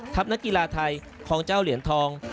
นักกีฬาไทยของเจ้าเหรียญทอง